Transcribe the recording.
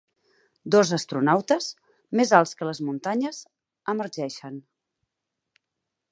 Dos astronautes, més alts que les muntanyes, emergeixen.